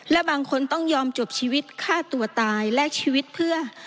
และบางคนต้องยอมจบชีวิตฆ่าตัวตายและชีวิตเพื่อ